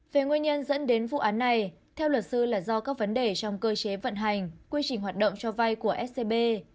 về nguyên nhân dẫn đến vụ án này theo luật sư là do các vấn đề trong cơ chế vận hành quy trình hoạt động cho vay của scb